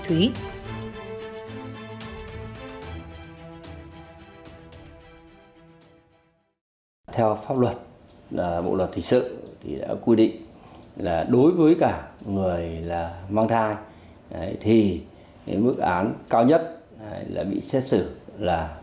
tuy nhiên câu hỏi đặt ra lúc này là mâu thuẫn xuất phát từ phía anh chính hay là chị toàn